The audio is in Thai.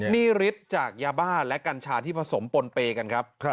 นี่ฤทธิ์จากยาบ้าและกัญชาที่ผสมปนเปย์กันครับ